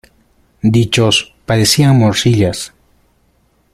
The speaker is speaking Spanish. Dichos parecían morcillas.